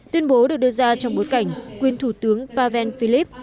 tuyên bố được đưa ra trong bối cảnh quyền thủ tướng pavel filip